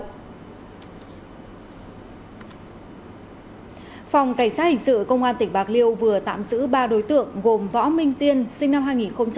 phòng cảnh sát hình sự công an tỉnh bạc liêu vừa tạm giữ ba đối tượng gồm võ minh tiên sinh năm hai nghìn